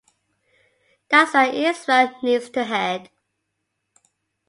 That's where Israel needs to head.